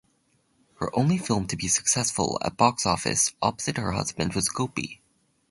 Her only film to be successful at box office opposite her husband was Gopi.